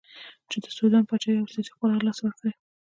چې د سوډان پاچهي او سیاسي قدرت له لاسه ورکړي.